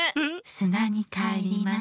すなにかえります。